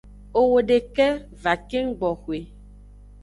Owo deke va keng gboxwe.